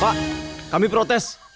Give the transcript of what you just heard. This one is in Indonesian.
pak kami protes